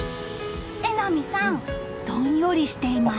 榎並さん、どんよりしています。